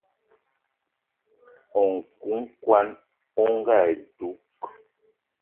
Nku kwan on ga dug